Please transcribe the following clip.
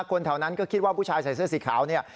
คนแถวนั้นก็คิดว่าผู้ชายใส่เสื้อสีขาวเนี่ย